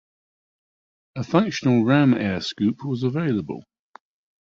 A functional Ram Air scoop was available.